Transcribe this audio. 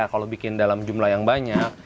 kalau bikin dalam jumlah yang banyak